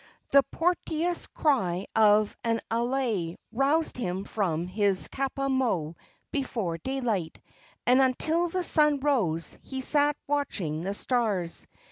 The portentous cry of an alae roused him from his kapa moe before daylight, and until the sun rose he sat watching the stars.